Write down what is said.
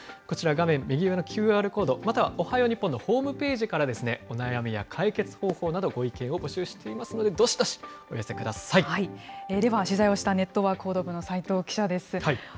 こちら、画面右上のＱＲコード、またはおはよう日本のホームページから、お悩みや解決方法など、ご意見を募集していますので、どでは、取材をしたネットワーク報道部の斉藤記者です。